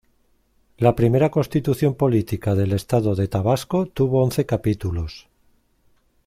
La primera Constitución Política del Estado de Tabasco tuvo once capítulos.